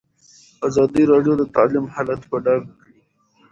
ازادي راډیو د تعلیم حالت په ډاګه کړی.